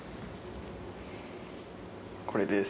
これです。